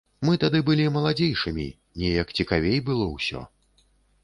Мы тады былі маладзейшымі, неяк цікавей было ўсё.